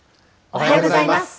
おはようございます。